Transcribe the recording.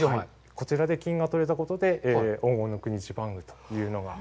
こちらで金が採れたことで黄金の国ジパングというのが。